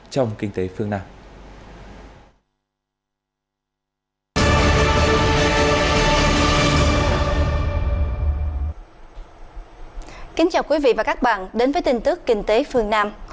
chào quý vị và các bạn đến với tin tức kinh tế phương nam